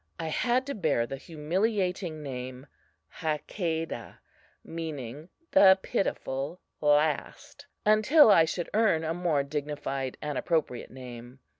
I had to bear the humiliating name "Hakadah," meaning "the pitiful last," until I should earn a more dignified and appropriate name.